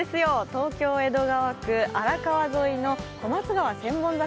東京・江戸川区、荒川沿いの小松川千本桜。